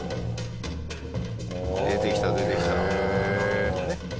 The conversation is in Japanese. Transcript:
出てきた出てきた。